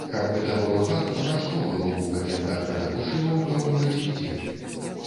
Каб гэта было так, то нашто было б у гэтым так надакучліва ўпэўніваць людзей?